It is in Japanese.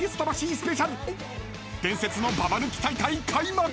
スペシャル伝説のババ抜き大会開幕］